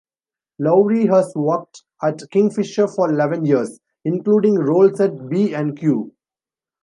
Laury has worked at Kingfisher for eleven years, including roles at B and Q.